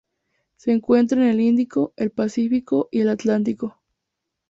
Se encuentra en el Índico, el Pacífico y el Atlántico.